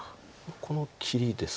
この切りですか。